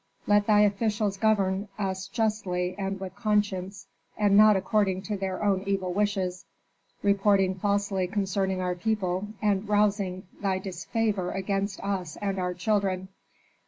Let thy officials govern us justly and with conscience, and not according to their own evil wishes, reporting falsely concerning our people, and rousing thy disfavor against us and our children.